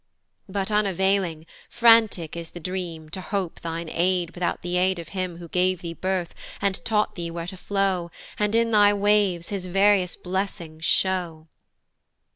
But unavailing, frantic is the dream To hope thine aid without the aid of him Who gave thee birth and taught thee where to flow, And in thy waves his various blessings show.